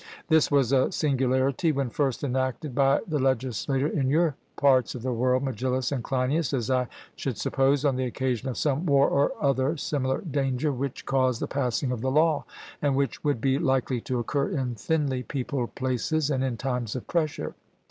This was a singularity when first enacted by the legislator in your parts of the world, Megillus and Cleinias, as I should suppose, on the occasion of some war or other similar danger, which caused the passing of the law, and which would be likely to occur in thinly peopled places, and in times of pressure.